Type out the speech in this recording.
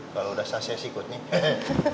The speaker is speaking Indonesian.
kalo udah sah saya sikut nih